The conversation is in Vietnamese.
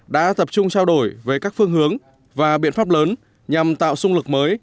đã tập trung trao đổi về các phương hướng và biện pháp lớn nhằm tạo sung lực mới